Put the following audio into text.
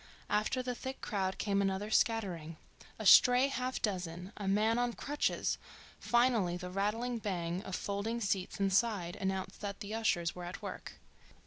After the thick crowd came another scattering; a stray half dozen; a man on crutches; finally the rattling bang of folding seats inside announced that the ushers were at work.